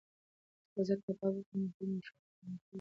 که زه کباب وخورم نو خپل ماشومتوب به مې په یاد شي.